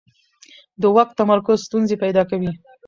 د واک تمرکز ستونزې پیدا کوي